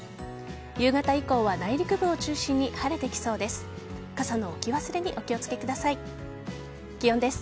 夕方以降は内陸部を中心に晴れてきそうです。